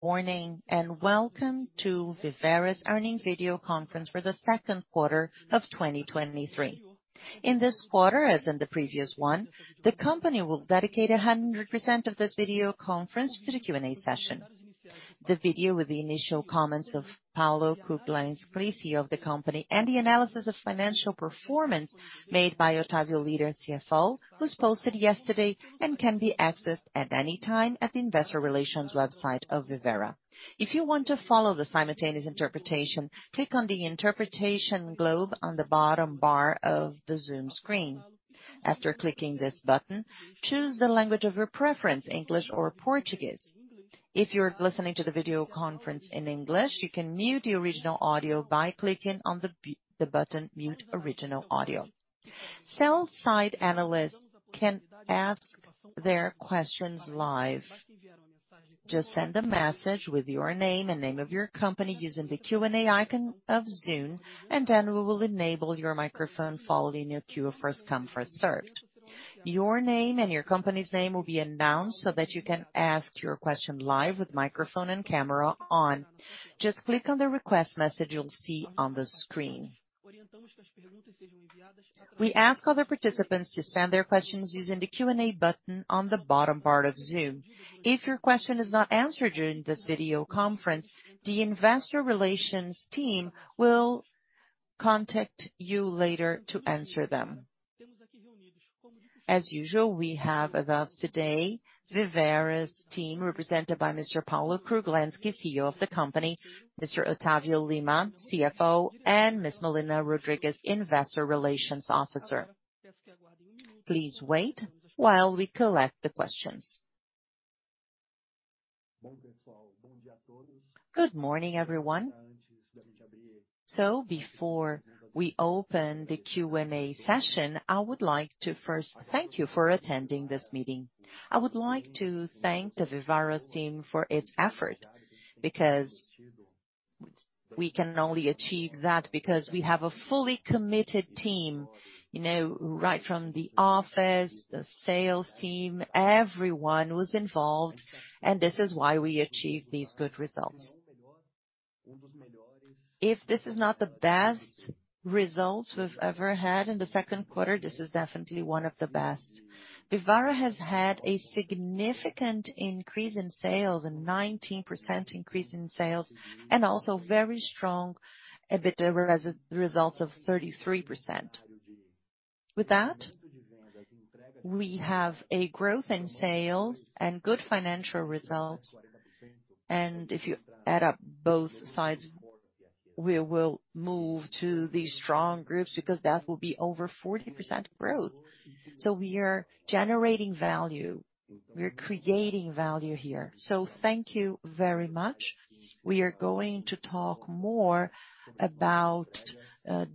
Welcome to Vivara's Earnings Video Conference for the second quarter of 2023. In this quarter, as in the previous one, the company will dedicate 100% of this video conference to the Q&A session. The video with the initial comments of Paulo Kruglensky, CEO of the company, and the analysis of financial performance made by Otavio Lyra, CFO, was posted yesterday and can be accessed at any time at the investor relations website of Vivara. If you want to follow the simultaneous interpretation, click on the interpretation globe on the bottom bar of the Zoom screen. After clicking this button, choose the language of your preference, English or Portuguese. If you're listening to the video conference in English, you can mute the original audio by clicking on the button, Mute Original Audio. Sell-side analysts can ask their questions live. Just send a message with your name and name of your company using the Q&A icon of Zoom, and then we will enable your microphone, following a queue of first come, first served. Your name and your company's name will be announced so that you can ask your question live with microphone and camera on. Just click on the request message you'll see on the screen. We ask all the participants to send their questions using the Q&A button on the bottom part of Zoom. If your question is not answered during this video conference, the investor relations team will contact you later to answer them. As usual, we have with us today, Vivara's team, represented by Mr. Paulo Kruglensky, CEO of the company, Mr. Otavio Lyra, CFO, and Ms. Marina Rodrigues, Investor Relations Officer. Please wait while we collect the questions. Good morning, everyone. Before we open the Q&A session, I would like to first thank you for attending this meeting. I would like to thank the Vivara's team for its effort, because we can only achieve that because we have a fully committed team, you know, right from the office, the sales team, everyone was involved. This is why we achieved these good results. If this is not the best results we've ever had in the second quarter, this is definitely one of the best. Vivara has had a significant increase in sales, a 19% increase in sales, and also very strong EBITDA results of 33%. With that, we have a growth in sales and good financial results. If you add up both sides, we will move to these strong groups because that will be over 40% growth. We are generating value. We are creating value here. Thank you very much. We are going to talk more about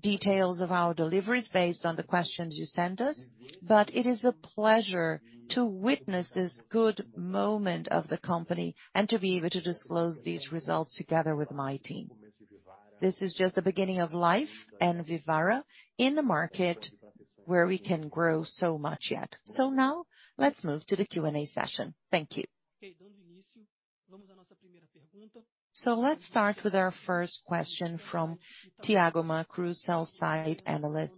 details of our deliveries based on the questions you sent us, but it is a pleasure to witness this good moment of the company and to be able to disclose these results together with my team. This is just the beginning of life and Vivara in the market where we can grow so much yet. Now, let's move to the Q&A session. Thank you. Let's start with our first question from Thiago Macruz, sell-side analyst.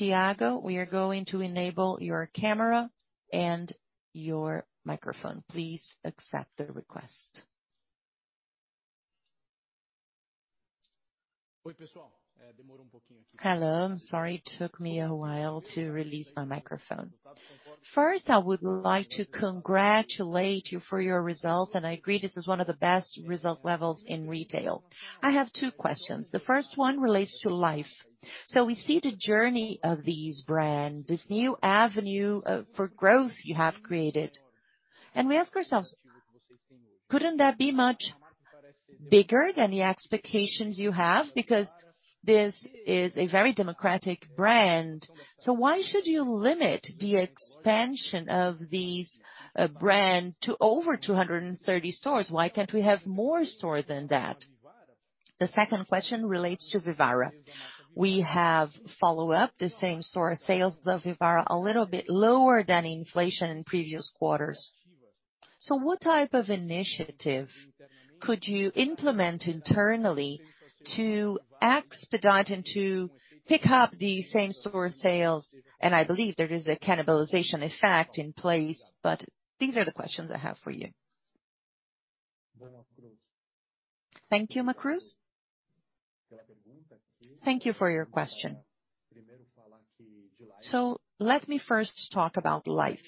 Thiago, we are going to enable your camera and your microphone. Please accept the request. Hello, I'm sorry, it took me a while to release my microphone. First, I would like to congratulate you for your results, and I agree, this is one of the best result levels in retail. I have two questions. The first one relates to Life. We see the journey of these brand, this new avenue for growth you have created. We ask ourselves, couldn't that be much bigger than the expectations you have? Because this is a very democratic brand, so why should you limit the expansion of these brand to over 230 stores? Why can't we have more store than that? The second question relates to Vivara. We have follow up, the same-store sales of Vivara, a little bit lower than inflation in previous quarters. What type of initiative could you implement internally to expedite and to pick up the same-store sales? I believe there is a cannibalization effect in place, but these are the questions I have for you. Thank you, Macruz. Thank you for your question. Let me first talk about Life.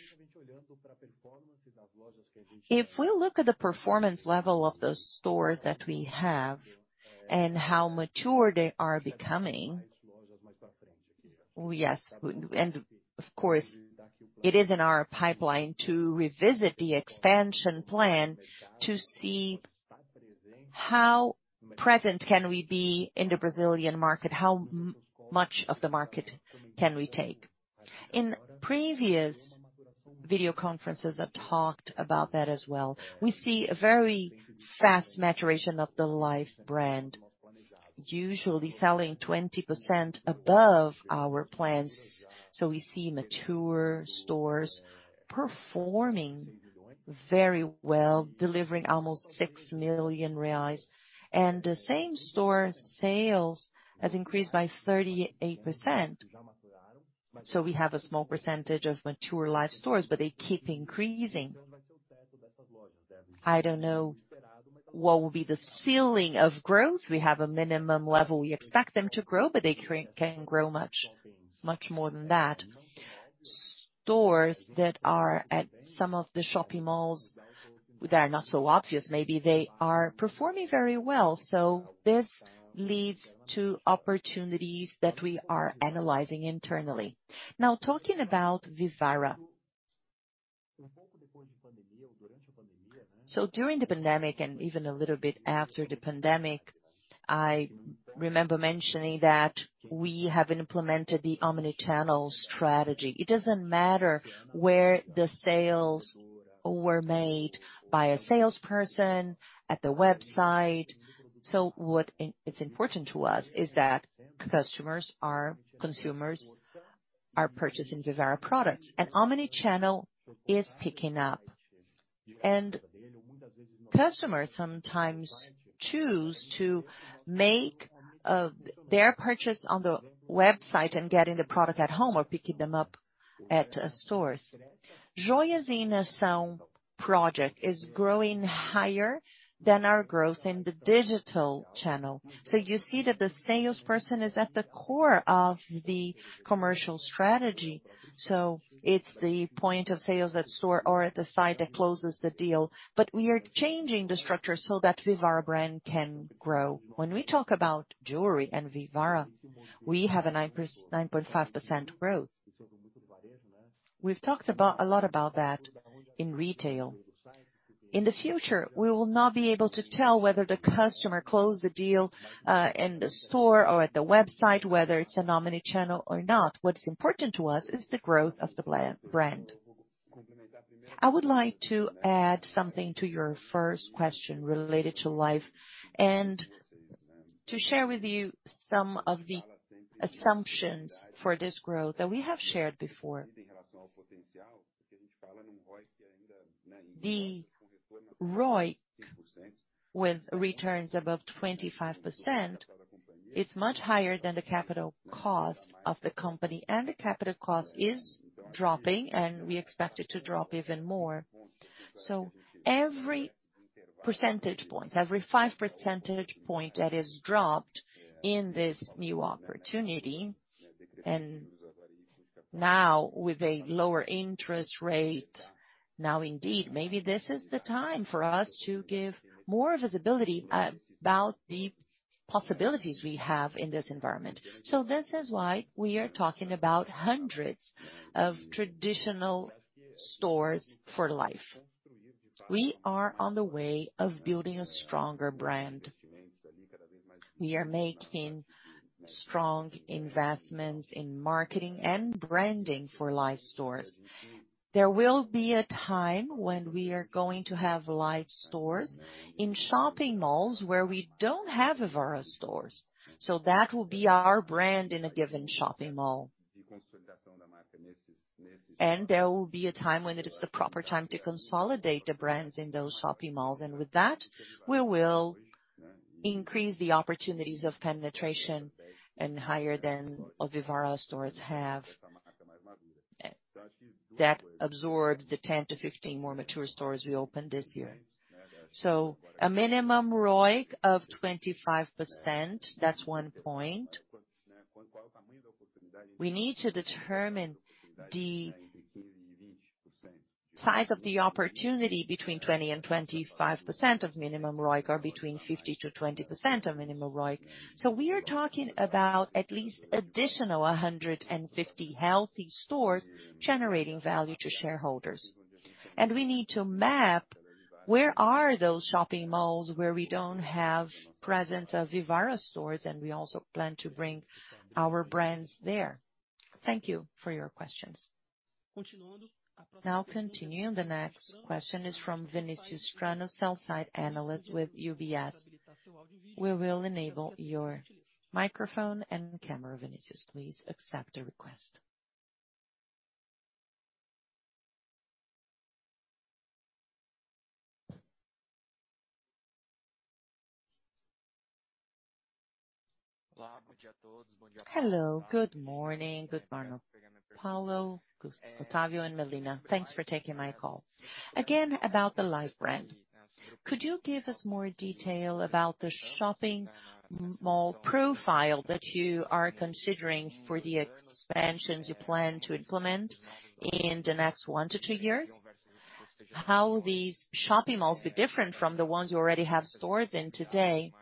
If we look at the performance level of those stores that we have and how mature they are becoming, yes, and of course, it is in our pipeline to revisit the expansion plan to see how present can we be in the Brazilian market, how much of the market can we take. In previous video conferences, I've talked about that as well. We see a very fast maturation of the Life brand usually selling 20% above our plans. We see mature stores performing very well, delivering almost 6 million reais, and the same-store sales has increased by 38%. We have a small percentage of mature Life stores, but they keep increasing. I don't know what will be the ceiling of growth. We have a minimum level. We expect them to grow, but they can grow much, much more than that. Stores that are at some of the shopping malls, they are not so obvious. Maybe they are performing very well, this leads to opportunities that we are analyzing internally. Now, talking about Vivara. During the pandemic, and even a little bit after the pandemic, I remember mentioning that we have implemented the omni-channel strategy. It doesn't matter where the sales were made, by a salesperson, at the website. What is important to us is that customers consumers are purchasing Vivara products, and omni-channel is picking up. Customers sometimes choose to make their purchase on the website and getting the product at home or picking them up at stores. Joias e Nação project is growing higher than our growth in the digital channel. You see that the salesperson is at the core of the commercial strategy, it's the point of sales at store or at the site that closes the deal. We are changing the structure so that Vivara brand can grow. When we talk about jewelry and Vivara, we have a 9.5% growth. We've talked a lot about that in retail. In the future, we will not be able to tell whether the customer closed the deal in the store or at the website, whether it's an omni-channel or not. What's important to us is the growth of the brand. I would like to add something to your first question related to Life, and to share with you some of the assumptions for this growth that we have shared before. The ROIC, with returns above 25%, it's much higher than the capital cost of the company, and the capital cost is dropping, and we expect it to drop even more. Every percentage point, every 5 percentage point that is dropped in this new opportunity, and now with a lower interest rate, now, indeed, maybe this is the time for us to give more visibility about the possibilities we have in this environment. This is why we are talking about hundreds of traditional stores for Life. We are on the way of building a stronger brand. We are making strong investments in marketing and branding for Life stores. There will be a time when we are going to have Life stores in shopping malls, where we don't have Vivara stores, so that will be our brand in a given shopping mall. There will be a time when it is the proper time to consolidate the brands in those shopping malls, and with that, we will increase the opportunities of penetration and higher than our Vivara stores have. That absorbs the 10-15 more mature stores we opened this year. A minimum ROIC of 25%, that's 1 point. We need to determine the size of the opportunity between 20%-25% of minimum ROIC, or between 50%-20% of minimum ROIC. We are talking about at least additional 150 healthy stores generating value to shareholders. We need to map where are those shopping malls where we don't have presence of Vivara stores, and we also plan to bring our brands there. Thank you for your questions. Continuing, the next question is from Vinicius Strano, sell-side analyst with UBS. We will enable your microphone and camera, Vinicius. Please accept the request. Hello, good morning. Good morning, Paulo, Otavio, and Marina. Thanks for taking my call. Again, about the Life brand, could you give us more detail about the shopping mall profile that you are considering for the expansions you plan to implement in the next 1 years-2 years? How will these shopping malls be different from the ones you already have stores in today?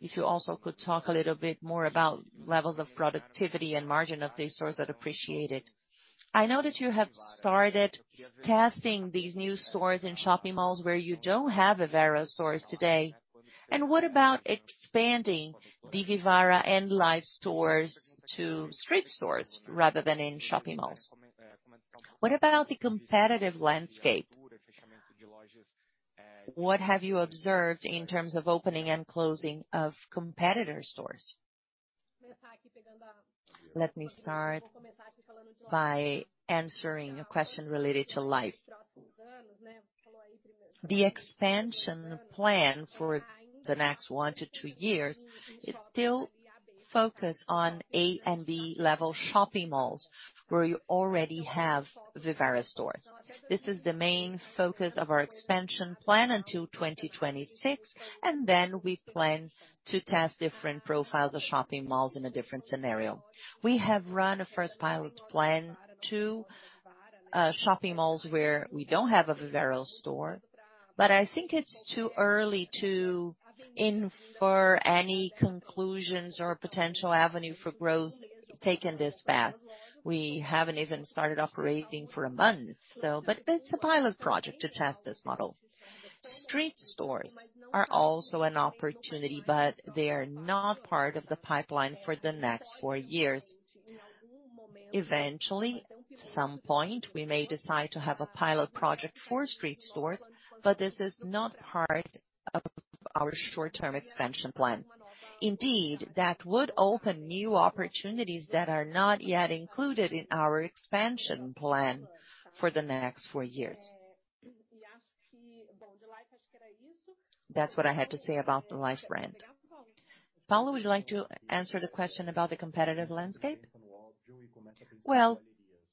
If you also could talk a little bit more about levels of productivity and margin of these stores, I'd appreciate it. I know that you have started testing these new stores in shopping malls where you don't have Vivara stores today. What about expanding the Vivara and Life stores to street stores rather than in shopping malls? What about the competitive landscape? What have you observed in terms of opening and closing of competitor stores? Let me start by answering a question related to Life. The expansion plan for the next 1 years-2 years is still focused on A and B level shopping malls, where you already have the Vivara stores. This is the main focus of our expansion plan until 2026. We plan to test different profiles of shopping malls in a different scenario. We have run a first pilot plan to shopping malls where we don't have a Vivara store, but I think it's too early to infer any conclusions or potential avenue for growth taking this path. We haven't even started operating for a month. It's a pilot project to test this model. Street stores are also an opportunity, but they are not part of the pipeline for the next 4 years. Eventually, at some point, we may decide to have a pilot project for street stores, but this is not part of our short-term expansion plan. Indeed, that would open new opportunities that are not yet included in our expansion plan for the next 4 years. That's what I had to say about the Life brand. Paulo, would you like to answer the question about the competitive landscape? Well,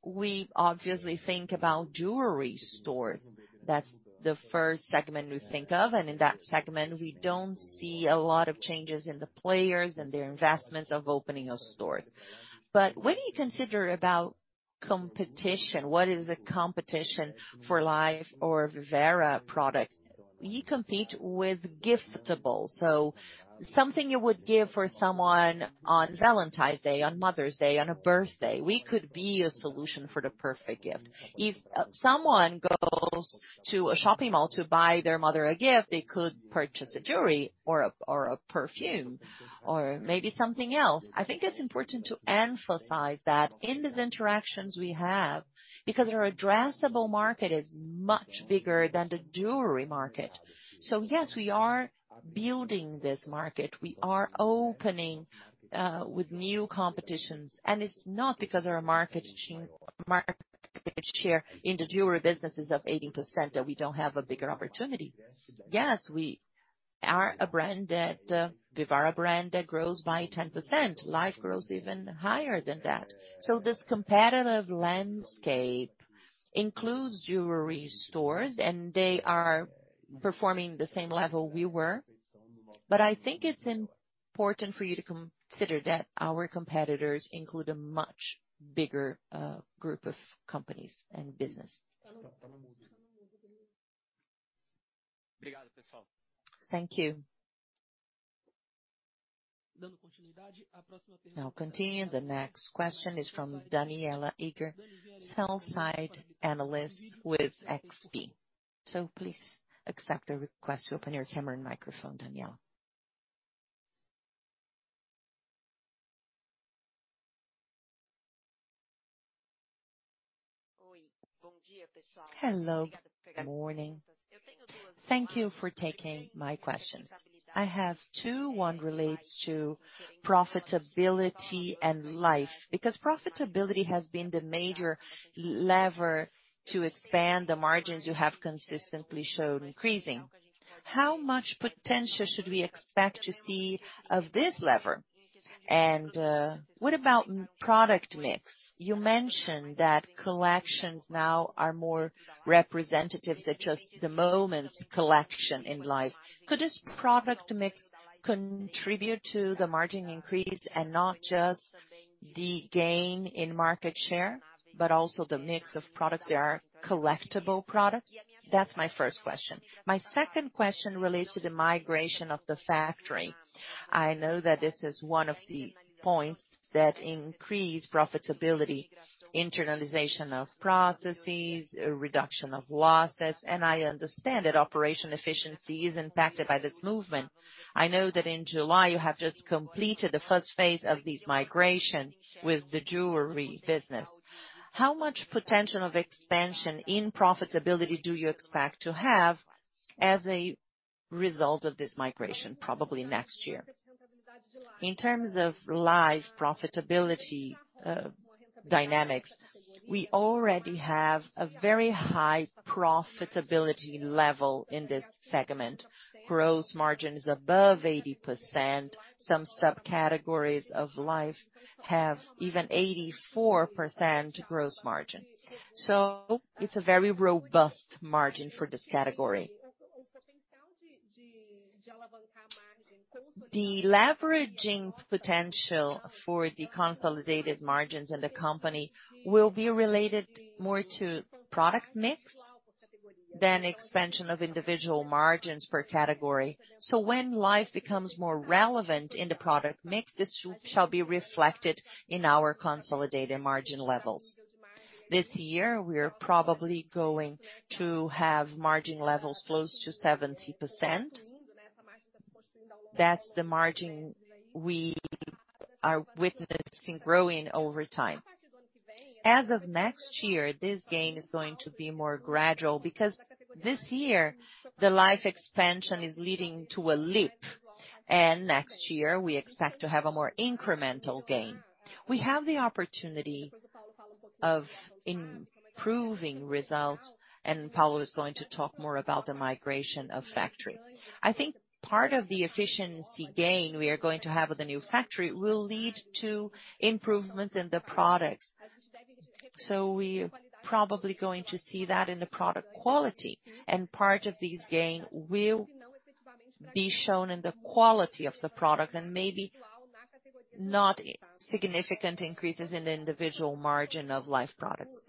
we obviously think about jewelry stores. That's the first segment we think of, and in that segment, we don't see a lot of changes in the players and their investments of opening of stores. When you consider about competition, what is the competition for Life or Vivara products? We compete with giftable, something you would give for someone on Valentine's Day, on Mother's Day, on a birthday, we could be a solution for the perfect gift. If someone goes to a shopping mall to buy their mother a gift, they could purchase a jewelry or a, or a perfume or maybe something else. I think it's important to emphasize that in these interactions we have, because our addressable market is much bigger than the jewelry market. Yes, we are building this market. We are opening with new competitions, and it's not because our market share in the jewelry business is of 80%, that we don't have a bigger opportunity. Yes, we are a brand that Vivara brand that grows by 10%. Life grows even higher than that. This competitive landscape includes jewelry stores, and they are performing the same level we were. I think it's important for you to consider that our competitors include a much bigger group of companies and business. Thank you. Now continuing, the next question is from Daniela Eiger, sell-side analyst with XP. Please accept a request to open your camera and microphone, Daniela. Hello, good morning. Thank you for taking my questions. I have 2, one relates to profitability and Life, because profitability has been the major lever to expand the margins you have consistently shown increasing. How much potential should we expect to see of this lever? What about product mix? You mentioned that collections now are more representative than just the Moments collection in Life. Could this product mix contribute to the margin increase and not just the gain in market share, but also the mix of products that are collectible products? That's my first question. My second question relates to the migration of the factory. I know that this is one of the points that increase profitability, internalization of processes, reduction of losses, I understand that operation efficiency is impacted by this movement. I know that in July, you have just completed the first phase of this migration with the jewelry business. How much potential of expansion in profitability do you expect to have as a result of this migration, probably next year? In terms of Life profitability dynamics, we already have a very high profitability level in this segment. Gross margin is above 80%. Some subcategories of Life have even 84% gross margin. It's a very robust margin for this category. The leveraging potential for the consolidated margins in the company will be related more to product mix than expansion of individual margins per category. When Life becomes more relevant in the product mix, this shall be reflected in our consolidated margin levels. This year, we are probably going to have margin levels close to 70%. That's the margin we are witnessing growing over time. As of next year, this gain is going to be more gradual, because this year, the Life expansion is leading to a leap, and next year, we expect to have a more incremental gain. We have the opportunity of improving results, and Paulo is going to talk more about the migration of factory. I think part of the efficiency gain we are going to have with the new factory will lead to improvements in the products. We're probably going to see that in the product quality, and part of this gain will be shown in the quality of the product, and maybe not significant increases in the individual margin of Life products.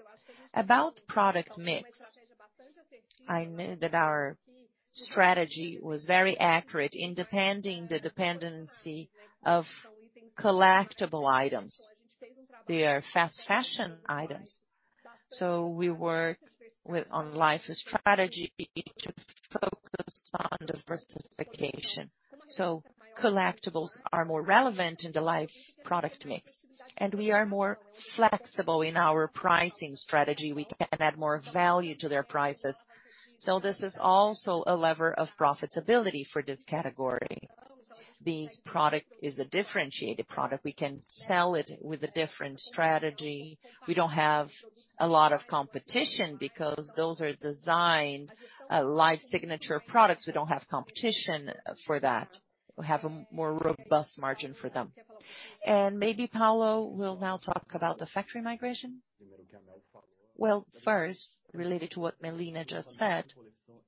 About product mix, I know that our strategy was very accurate in depending the dependency of collectible items. They are fast fashion items, so we work on Life strategy to focus on diversification. Collectibles are more relevant in the Life product mix, and we are more flexible in our pricing strategy. We can add more value to their prices, so this is also a lever of profitability for this category. This product is a differentiated product. We can sell it with a different strategy. We don't have a lot of competition because those are designed, Life signature products. We don't have competition for that. We have a more robust margin for them. Maybe Paulo will now talk about the factory migration? Well, first, related to what Melina just said,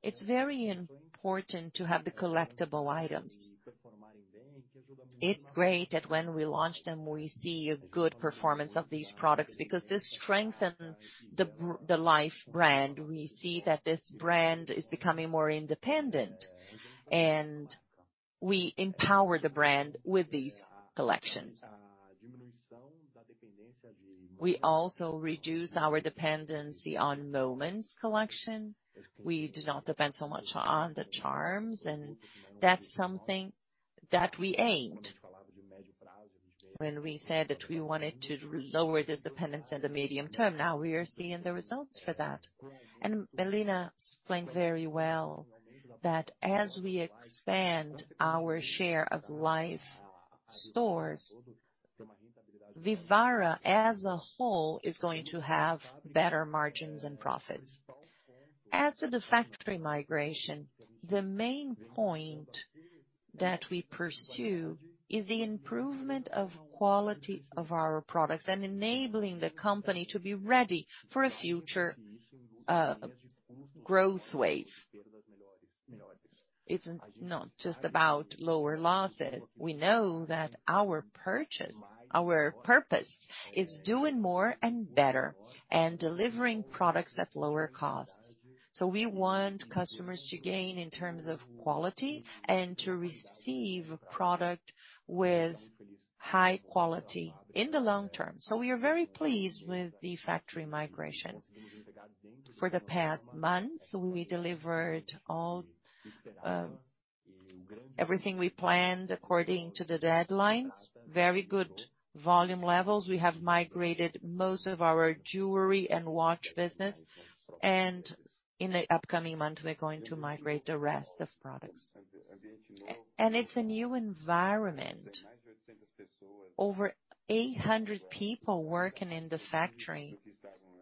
it's very important to have the collectible items. It's great that when we launch them, we see a good performance of these products, because this strengthen the Life brand. We see that this brand is becoming more independent, and we empower the brand with these collections. We also reduce our dependency on Moments collection. We do not depend so much on the charms, and that's something that we aimed. When we said that we wanted to lower this dependence in the medium term, now we are seeing the results for that. Milena explained very well that as we expand our share of Life stores, Vivara as a whole, is going to have better margins and profits. As to the factory migration, the main point that we pursue is the improvement of quality of our products and enabling the company to be ready for a future growth wave. It's not just about lower losses. We know that our purpose is doing more and better and delivering products at lower costs. We want customers to gain in terms of quality and to receive a product with high quality in the long term. We are very pleased with the factory migration. For the past month, we delivered Everything we planned according to the deadlines, very good volume levels. We have migrated most of our jewelry and watch business, in the upcoming months, we're going to migrate the rest of products. It's a new environment. Over 800 people working in the factory,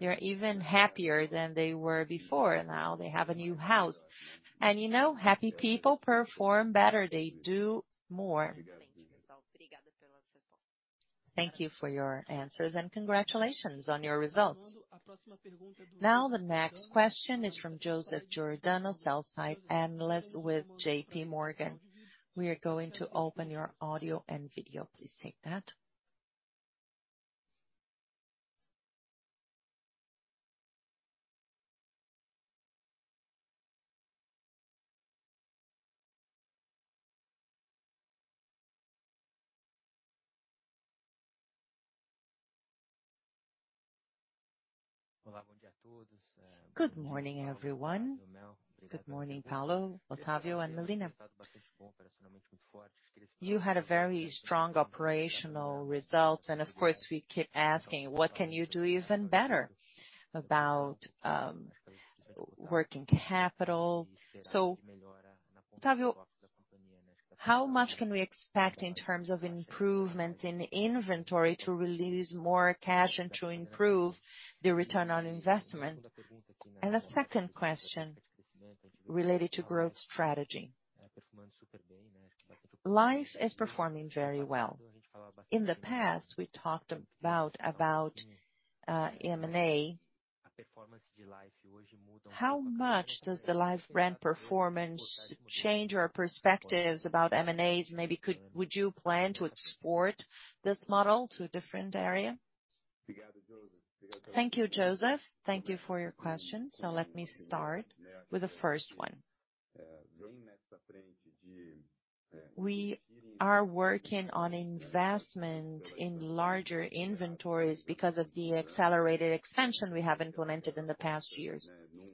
they're even happier than they were before. Now, they have a new house, and, you know, happy people perform better. They do more. Thank you for your answers, and congratulations on your results. Now, the next question is from Joseph Giordano, Sell-Side Analyst with JP Morgan. We are going to open your audio and video. Please take that. Good morning, everyone. Good morning, Paulo, Otavio, and Milena. You had a very strong operational results, and of course, we keep asking: What can you do even better about working capital? Otavio, how much can we expect in terms of improvements in inventory to release more cash and to improve the return on investment? A second question related to growth strategy. Life is performing very well. In the past, we talked about, about M&A. How much does the Life brand performance change our perspectives about M&As? Maybe would you plan to export this model to a different area? Thank you, Joseph. Thank you for your question. Let me start with the first one. We are working on investment in larger inventories because of the accelerated expansion we have implemented in the past years.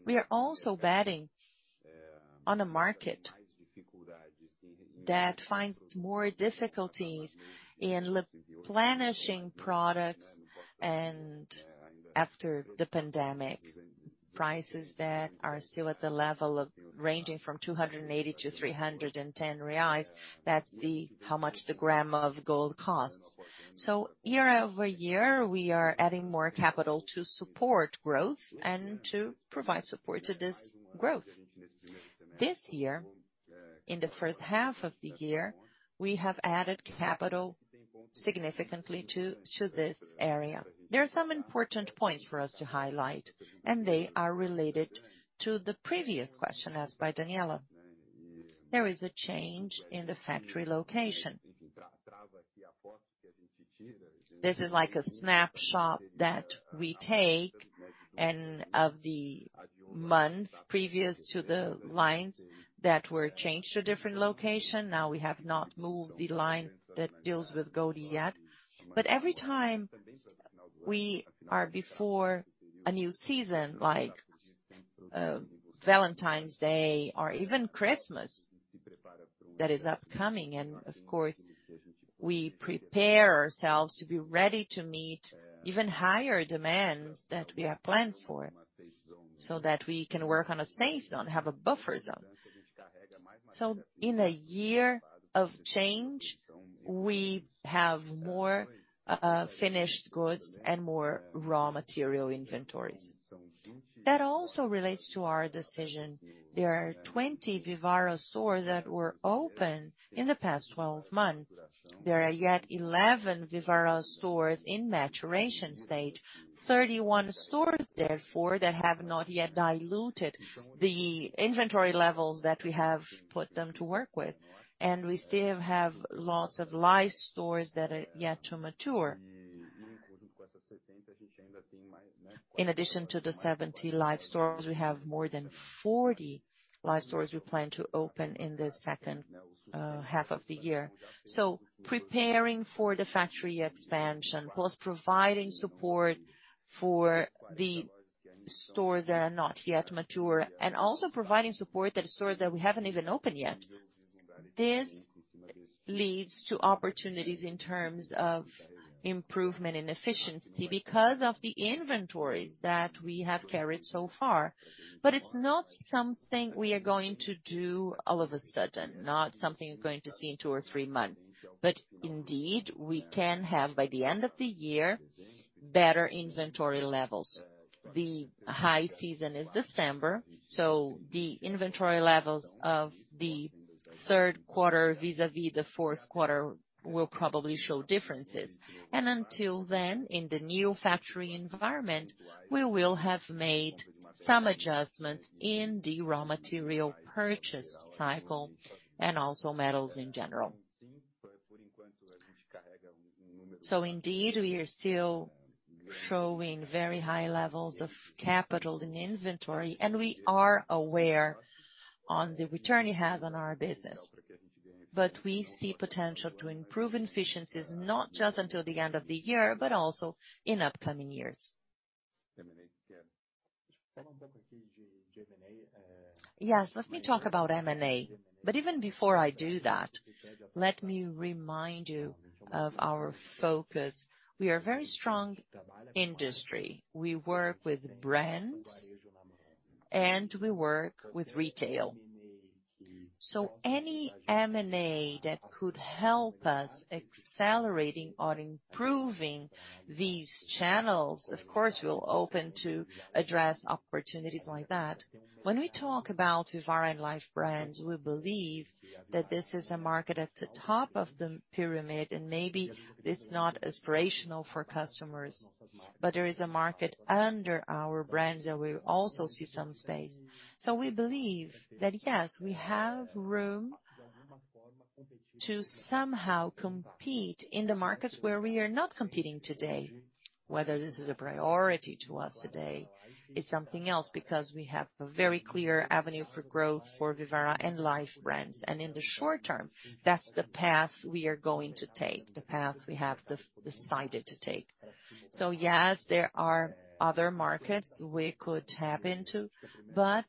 We are also betting on a market that finds more difficulties in replenishing products and after the pandemic, prices that are still at the level of ranging from 280-310 reais, that's the-- how much the gram of gold costs. Year-over-year, we are adding more capital to support growth and to provide support to this growth. This year, in the 1st half of the year, we have added capital significantly to this area. There are some important points for us to highlight, and they are related to the previous question asked by Daniela. There is a change in the factory location. This is like a snapshot that we take, and of the month previous to the lines that were changed to a different location. Now, we have not moved the line that deals with gold yet. Every time we are before a new season, like Valentine's Day or even Christmas, that is upcoming, and of course, we prepare ourselves to be ready to meet even higher demands that we have planned for, so that we can work on a safe zone, have a buffer zone. In a year of change, we have more finished goods and more raw material inventories. That also relates to our decision. There are 20 Vivara stores that were opened in the past 12 months. There are yet 11 Vivara stores in maturation stage, 31 stores therefore, that have not yet diluted the inventory levels that we have put them to work with, and we still have lots of Life stores that are yet to mature. In addition to the 70 Life stores, we have more than 40 Life stores we plan to open in the second half of the year. Preparing for the factory expansion, plus providing support for the stores that are not yet mature, and also providing support that stores that we haven't even opened yet. This leads to opportunities in terms of improvement in efficiency because of the inventories that we have carried so far. It's not something we are going to do all of a sudden, not something you're going to see in 2 or 3 months. Indeed, we can have, by the end of the year, better inventory levels. The high season is December. The inventory levels of the 3rd quarter vis-a-vis the 4th quarter will probably show differences. Until then, in the new factory environment, we will have made some adjustments in the raw material purchase cycle and also metals in general. Indeed, we are still showing very high levels of capital in inventory, and we are aware on the return it has on our business. We see potential to improve efficiencies, not just until the end of the year, but also in upcoming years. Yes, let me talk about M&A. Even before I do that, let me remind you of our focus. We are a very strong industry. We work with brands, and we work with retail. Any M&A that could help us accelerating or improving these channels, of course, we'll open to address opportunities like that. When we talk about Vivara and Life brands, we believe that this is a market at the top of the pyramid, and maybe it's not aspirational for customers, but there is a market under our brands, and we also see some space. We believe that, yes, we have room to somehow compete in the markets where we are not competing today. Whether this is a priority to us today is something else, because we have a very clear avenue for growth for Vivara and Life brands, and in the short term, that's the path we are going to take, the path we have decided to take. Yes, there are other markets we could tap into, but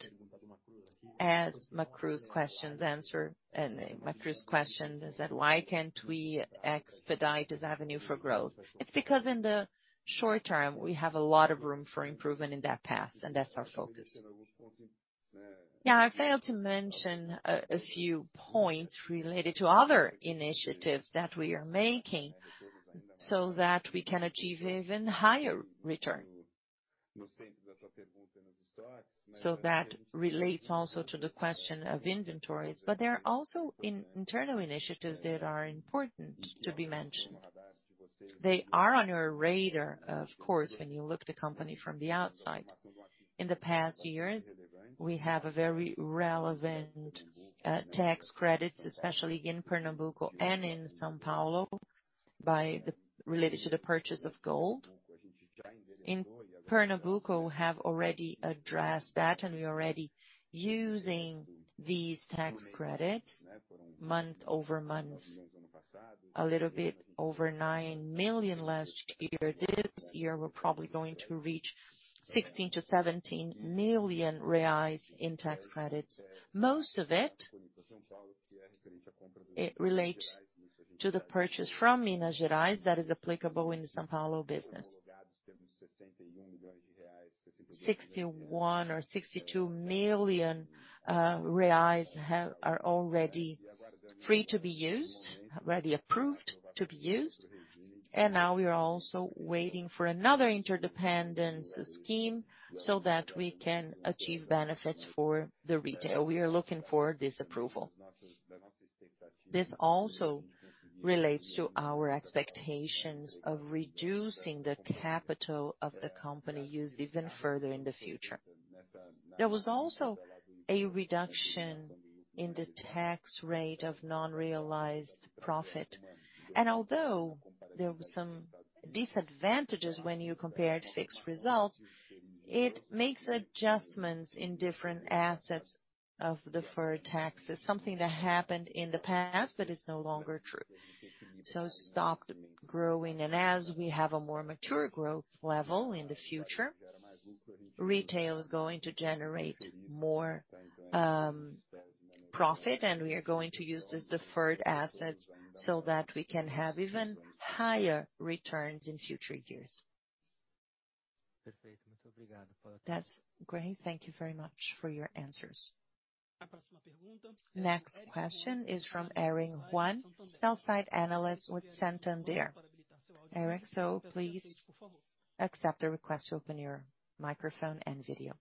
as Macruz questions answer-- Macruz question is that: Why can't we expedite this avenue for growth? It's because in the short term, we have a lot of room for improvement in that path, and that's our focus. Now, I failed to mention a few points related to other initiatives that we are making so that we can achieve even higher return. That relates also to the question of inventories, but there are also internal initiatives that are important to be mentioned. They are on your radar, of course, when you look the company from the outside. In the past years, we have a very relevant tax credits, especially in Pernambuco and in São Paulo, related to the purchase of gold.... In Pernambuco, we have already addressed that. We're already using these tax credits month-over-month, a little bit over 9 million last year. This year, we're probably going to reach 16 million-17 million reais in tax credits. Most of it, it relates to the purchase from Minas Gerais that is applicable in the São Paulo business. 61 million or 62 million reais have-- are already free to be used, already approved to be used, and now we are also waiting for another interdependence scheme so that we can achieve benefits for the retail. We are looking for this approval. This also relates to our expectations of reducing the capital of the company used even further in the future. There was also a reduction in the tax rate of non-realized profit, although there were some disadvantages when you compared fixed results, it makes adjustments in different assets of deferred taxes, something that happened in the past, but is no longer true, stopped growing. As we have a more mature growth level in the future, retail is going to generate more profit, we are going to use these deferred assets so that we can have even higher returns in future years. That's great. Thank you very much for your answers. Next question is from Eric Huang, Sell-Side Analyst with Santander. Eric, please accept the request to open your microphone and video.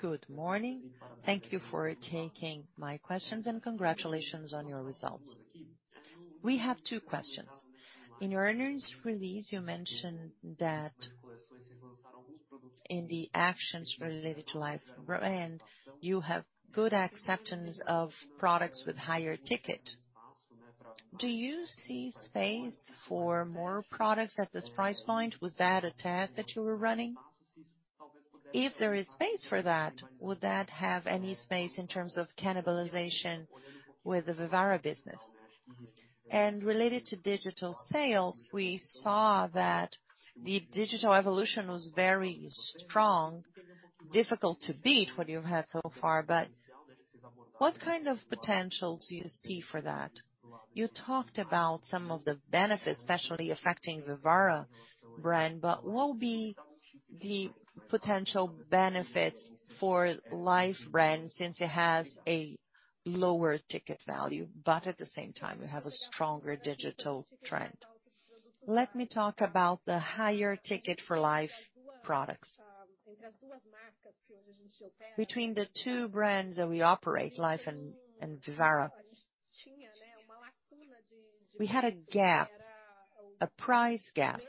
Good morning. Thank you for taking my questions, congratulations on your results. We have 2 questions. In your earnings release, you mentioned that in the actions related to Life brand, you have good acceptance of products with higher ticket. Do you see space for more products at this price point? Was that a test that you were running? If there is space for that, would that have any space in terms of cannibalization with the Vivara business? Related to digital sales, we saw that the digital evolution was very strong, difficult to beat what you've had so far, but what kind of potential do you see for that? You talked about some of the benefits, especially affecting Vivara brand, but what will be the potential benefits for Life brand since it has a lower ticket value, but at the same time, you have a stronger digital trend? Let me talk about the higher ticket for Life products. Between the two brands that we operate, Life and Vivara, we had a gap, a price gap.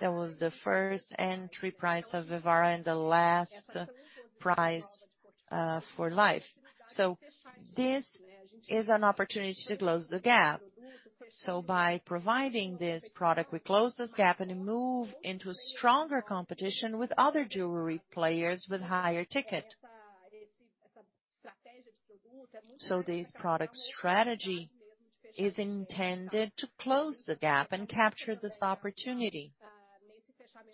That was the first entry price of Vivara and the last price for Life. This is an opportunity to close the gap. By providing this product, we close this gap and move into a stronger competition with other jewelry players with higher ticket. This product strategy is intended to close the gap and capture this opportunity,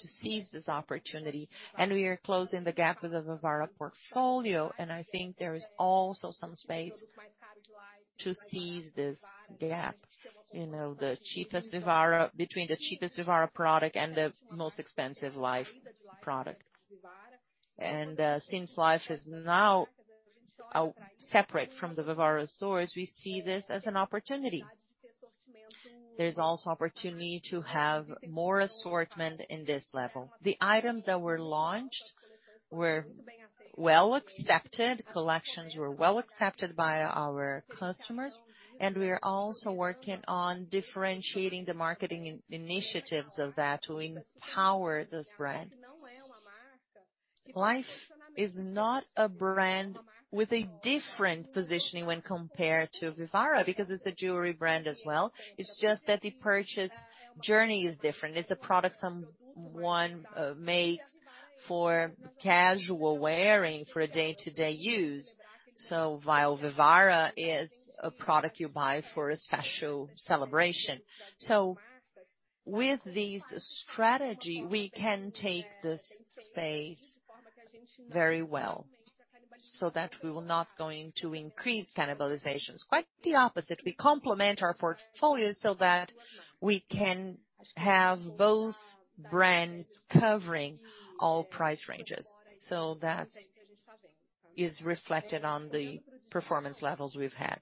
to seize this opportunity. We are closing the gap with the Vivara portfolio, and I think there is also some space to seize this gap, you know, between the cheapest Vivara product and the most expensive Life product. Since Life is now out, separate from the Vivara stores, we see this as an opportunity. There's also opportunity to have more assortment in this level. The items that were launched were well accepted, collections were well accepted by our customers. We are also working on differentiating the marketing initiatives of that to empower this brand. Life is not a brand with a different positioning when compared to Vivara, because it's a jewelry brand as well. It's just that the purchase journey is different. It's a product someone make for casual wearing for a day-to-day use. While Vivara is a product you buy for a special celebration. With this strategy, we can take the space very well, so that we will not going to increase cannibalizations. Quite the opposite, we complement our portfolio so that we can have both brands covering all price ranges. That is reflected on the performance levels we've had.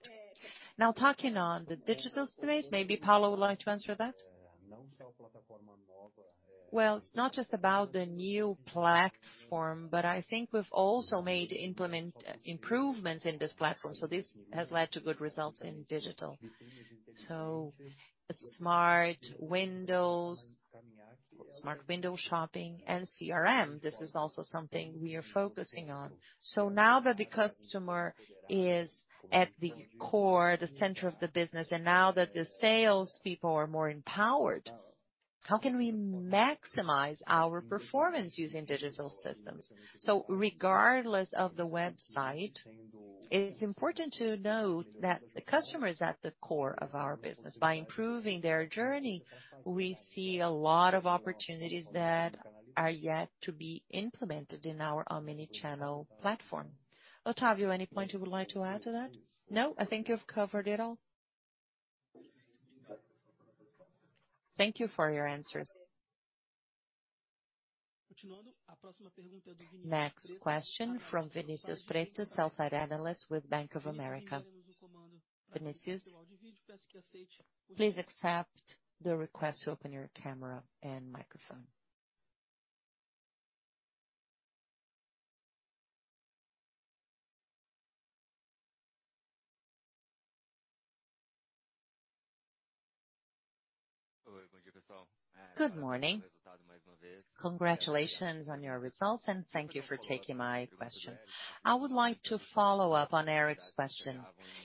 Now, talking on the digital space, maybe Paulo would like to answer that. Well, it's not just about the new platform, but I think we've also made improvements in this platform. This has led to good results in digital. The smart window shopping and CRM, this is also something we are focusing on. Now that the customer is at the core, the center of the business, and now that the sales people are more empowered, how can we maximize our performance using digital systems? Regardless of the website, it is important to note that the customer is at the core of our business. By improving their journey, we see a lot of opportunities that are yet to be implemented in our omni-channel platform. Otavio, any point you would like to add to that? No? I think you've covered it all. Thank you for your answers. Next question from Vinicius Pretto, sell-side analyst with Bank of America. Vinicius, please accept the request to open your camera and microphone. Good morning. Congratulations on your results, thank you for taking my question. I would like to follow up on Eric's question.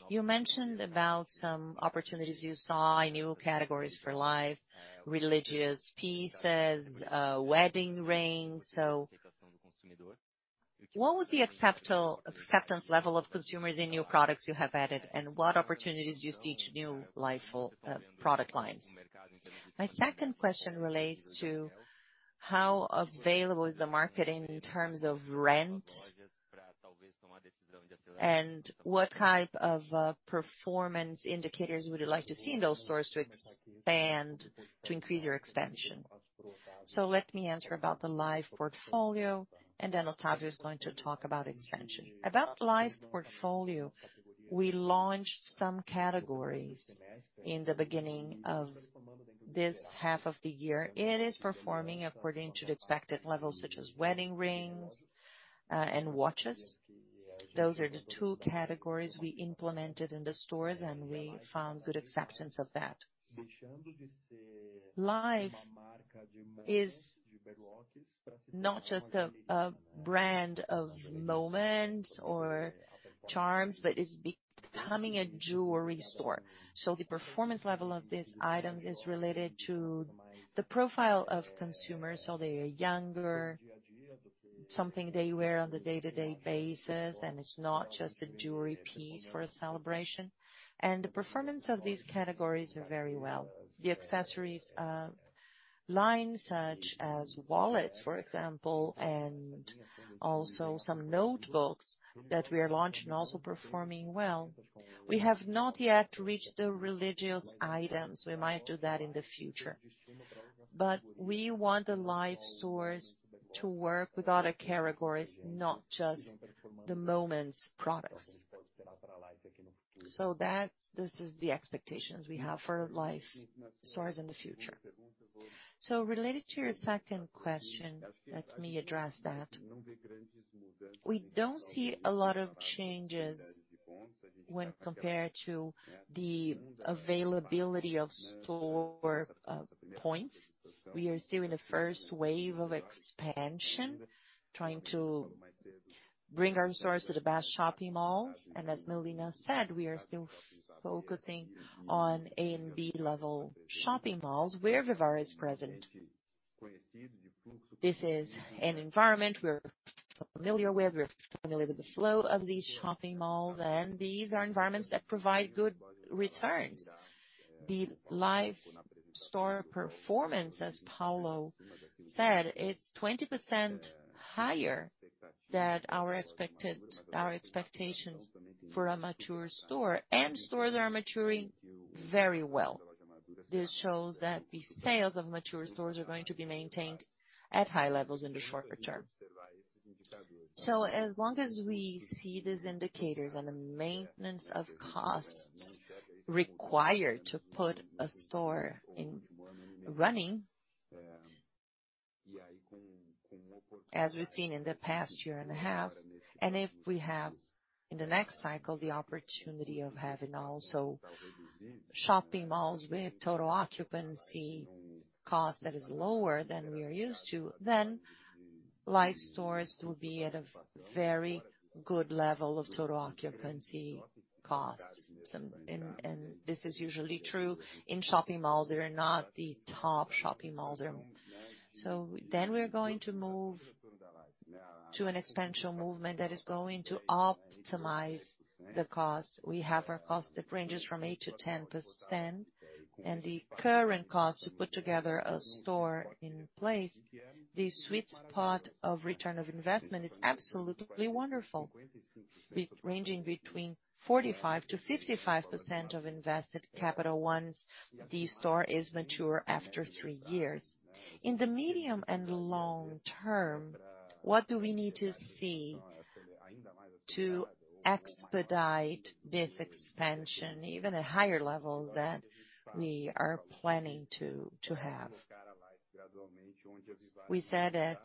You mentioned about some opportunities you saw in new categories for Life, religious pieces, wedding rings. What was the acceptance level of consumers in new products you have added, and what opportunities do you see to new Life product lines? My second question relates to how available is the marketing in terms of rent, and what type of performance indicators would you like to see in those stores to expand, to increase your expansion? Let me answer about the Life portfolio, then Otavio is going to talk about expansion. About Life portfolio, we launched some categories in the beginning of this half of the year. It is performing according to the expected levels, such as wedding rings and watches. Those are the two categories we implemented in the stores, we found good acceptance of that. Life is not just a brand of moments or charms, but it's becoming a jewelry store. The performance level of these items is related to the profile of consumers, so they are younger, something they wear on a day-to-day basis, and it's not just a jewelry piece for a celebration. The performance of these categories are very well. The accessories line, such as wallets, for example, and also some notebooks that we are launching, are also performing well. We have not yet reached the religious items. We might do that in the future. We want the Life stores to work with other categories, not just the moments products. That's, this is the expectations we have for Life stores in the future. Related to your second question, let me address that. We don't see a lot of changes when compared to the availability of store points. We are still in the first wave of expansion, trying to bring our stores to the best shopping malls, and as Milena said, we are still focusing on A and B level shopping malls where Vivara is present. This is an environment we're familiar with. We're familiar with the flow of these shopping malls, and these are environments that provide good returns. The Life store performance, as Paulo said, it's 20% higher than our expected, our expectations for a mature store, and stores are maturing very well. This shows that the sales of mature stores are going to be maintained at high levels in the shorter term. As long as we see these indicators and the maintenance of costs required to put a store in running, as we've seen in the past year and a half, and if we have, in the next cycle, the opportunity of having also shopping malls with total occupancy cost that is lower than we are used to, then Life stores will be at a very good level of total occupancy costs. This is usually true in shopping malls that are not the top shopping malls. Then we're going to move to an expansion movement that is going to optimize the cost. We have our cost that ranges from 8%-10%. The current cost to put together a store in place, the sweet spot of return of investment is absolutely wonderful, with ranging between 45%-55% of invested capital once the store is mature after 3 years. In the medium and long term, what do we need to see to expedite this expansion, even at higher levels that we are planning to, to have? We said that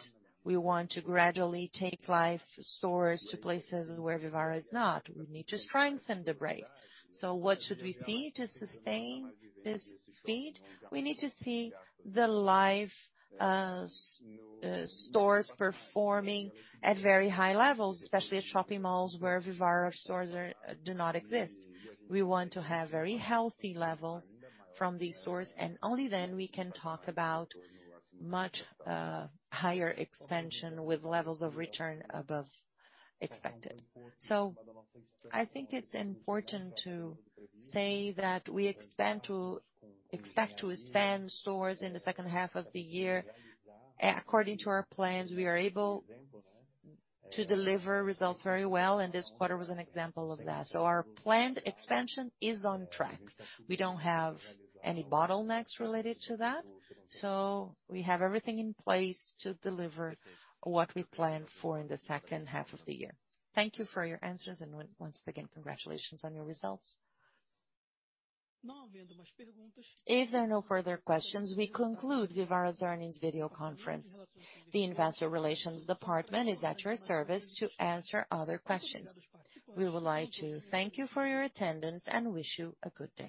we want to gradually take Life stores to places where Vivara is not. We need to strengthen the brand. What should we see to sustain this speed? We need to see the Life stores performing at very high levels, especially at shopping malls where Vivara stores are, do not exist. We want to have very healthy levels from these stores. Only then we can talk about much higher expansion with levels of return above expected. I think it's important to say that we expect to expand stores in the second half of the year. According to our plans, we are able to deliver results very well. This quarter was an example of that. Our planned expansion is on track. We don't have any bottlenecks related to that. We have everything in place to deliver what we planned for in the second half of the year. Thank you for your answers. Once again, congratulations on your results. If there are no further questions, we conclude Vivara's earnings video conference. The Investor Relations department is at your service to answer other questions. We would like to thank you for your attendance and wish you a good day.